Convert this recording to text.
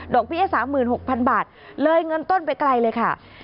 เบี้ย๓๖๐๐๐บาทเลยเงินต้นไปไกลเลยค่ะ